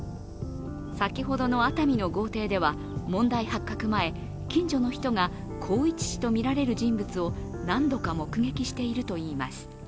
先ほどの熱海の豪邸では問題発覚前、近所の人が宏一氏とみられる人物を何度か目撃しているといいます。